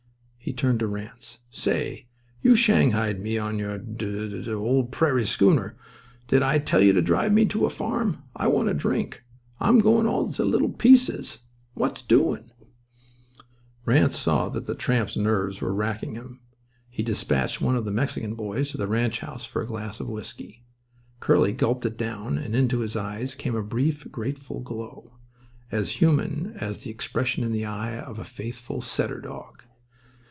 He turned to Ranse. "Say, you shanghaied me on your d—d old prairie schooner—did I tell you to drive me to a farm? I want a drink. I'm goin' all to little pieces. What's doin'?" Ranse saw that the tramp's nerves were racking him. He despatched one of the Mexican boys to the ranch house for a glass of whisky. Curly gulped it down; and into his eyes came a brief, grateful glow—as human as the expression in the eye of a faithful setter dog.